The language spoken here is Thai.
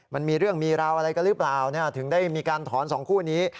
มันมีเรื่องมีราวอะไรกันหรือเปล่าถึงได้มีการถอนสองคู่นี้